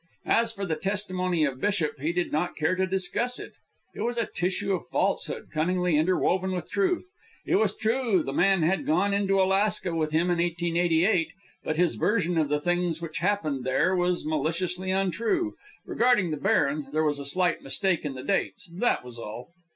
As for the testimony of Bishop, he did not care to discuss it. It was a tissue of falsehood cunningly interwoven with truth. It was true the man had gone into Alaska with him in 1888, but his version of the things which happened there was maliciously untrue. Regarding the baron, there was a slight mistake in the dates, that was all.